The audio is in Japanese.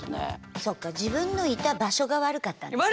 そっか自分のいた場所が悪かったんですね。